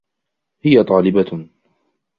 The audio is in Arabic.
هي طالبة.